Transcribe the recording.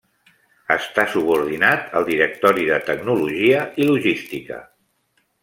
Està subordinat al Directori de Tecnologia i Logística.